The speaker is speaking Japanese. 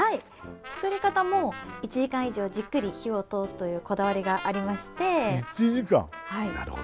作り方も１時間以上じっくり火を通すというこだわりがありまして１時間！